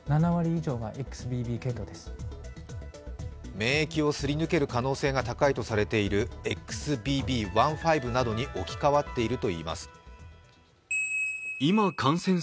免疫をすり抜ける可能性が高いとされているＸＢＢ．１．５などに置き換わっているといいます。